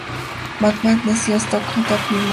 Bentham nació en Stoke, junto a Plymouth.